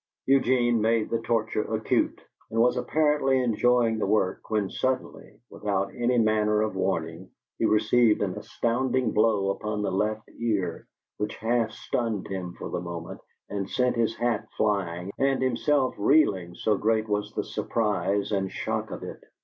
Eugene made the torture acute, and was apparently enjoying the work, when suddenly without any manner of warning he received an astounding blow upon the left ear, which half stunned him for the moment, and sent his hat flying and himself reeling, so great was the surprise and shock of it.